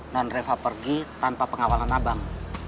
nandreva pergi tanpa pengawalan abang